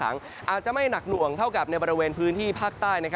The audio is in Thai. อาจจะไม่หนักหน่วงเท่ากับในบริเวณพื้นที่ภาคใต้